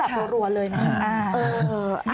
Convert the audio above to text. แบบรวมเลยนะครับ